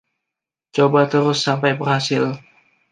coba terus sampai berhasil